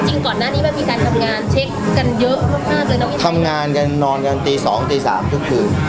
จริงก่อนหน้านี้มันมีการทำงานเช็คกันเยอะมากมากเลยนะพี่ทำงานกันนอนกันตีสองตีสามทุกคืน